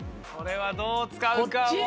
それはどう使うかは。